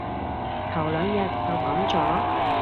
頭兩日就講咗